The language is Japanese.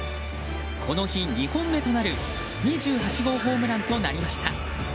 この日、２本目となる２８号ホームランとなりました。